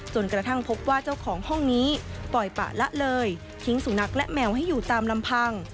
จนกระทั่งพบว่าเจ้าของห้องนี้ปล่อยปะละเลยทิ้งสุนัขและแมวให้อยู่ตามลำพัง